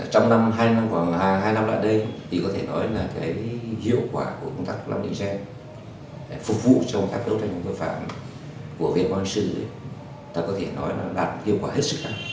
trong năm hai năm khoảng hai năm lại đây thì có thể nói là cái hiệu quả của công tác làm gen phục vụ trong các đấu tranh công tác phạm của viên quan sư ấy ta có thể nói là đạt hiệu quả hết sức khẳng